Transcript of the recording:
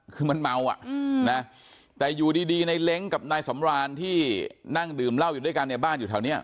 คือมันเมาอ่ะนะแต่อยู่ดีในเล้งกับนายสำรานที่นั่งดื่มเหล้าอยู่ด้วยกันในบ้านอยู่แถวนี้